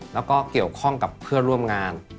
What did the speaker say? แล้วก็เกี่ยวข้องกับเพื่อนร่วมงาน